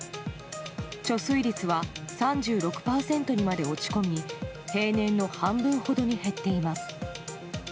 貯水率は３６％にまで落ち込み平年の半分ほどに減っています。